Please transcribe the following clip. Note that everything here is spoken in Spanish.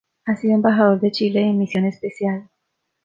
Ha sido Embajador de Chile en misión especial.